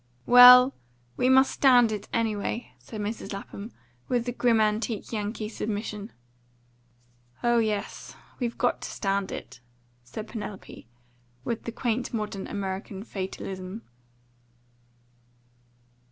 "Well, we must stand it, anyway," said Mrs. Lapham, with the grim antique Yankee submission. "Oh yes, we've got to stand it," said Penelope, with the quaint modern American fatalism.